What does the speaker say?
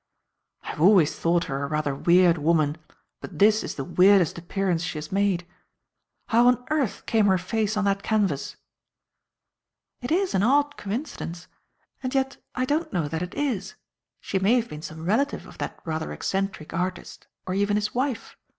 "I have always thought her a rather weird woman, but this is the weirdest appearance she has made. How on earth came her face on that canvas?" "It is an odd coincidence. And yet I don't know that it is. She may have been some relative of that rather eccentric artist, or even his wife.